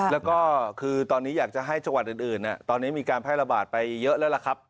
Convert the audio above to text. แล้วก็คือตอนนี้อยากจะให้จังหวัดอื่นตอนนี้มีการแพร่ระบาดไปเยอะแล้วล่ะครับ